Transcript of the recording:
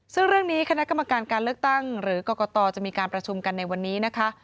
ซึ่งเรื่องนี้คณะกรรมการการเลือกตั้งหรือกรกตจะมีการประชุมกันในวันนี้นะคะ